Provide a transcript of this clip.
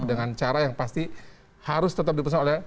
dengan cara yang pasti harus tetap dipesan oleh